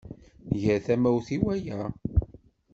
Nger tamawt i waya.